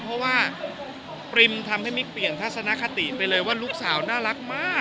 เพราะว่าปริมทำให้มิ๊กเปลี่ยนทัศนคติไปเลยว่าลูกสาวน่ารักมาก